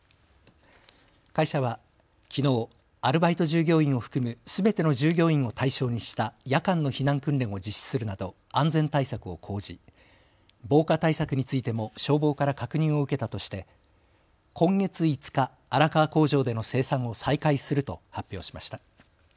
会社はきのうアルバイト従業員を含むすべての従業員を対象にした夜間の避難訓練を実施するなど安全対策を講じ、防火対策についても消防から確認を受けたとして今月５日、荒川工場での生産を再開すると発表しました。